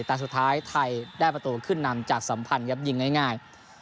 แต่สุดท้ายไทยได้ประตูขึ้นนำจากสัมพันธ์ครับยิงง่าย